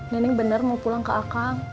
nining bener mau pulang ke akang